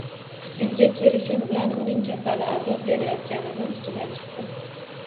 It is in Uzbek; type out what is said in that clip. Uyga kelishim bilan uning kasali azob berayotganining ustidan chiqdim